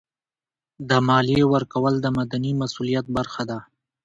د مالیې ورکول د مدني مسؤلیت برخه ده.